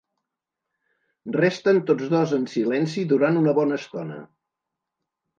Resten tots dos en silenci durant una bona estona.